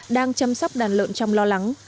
đang chăm sóc đàn lợn trong lo lắng